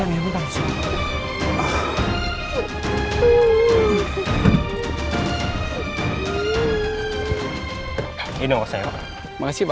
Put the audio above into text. ya sekarang kalau dipikir pikir